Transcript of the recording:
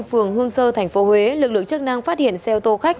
phường hương sơ tp huế lực lượng chức năng phát hiện xe ô tô khách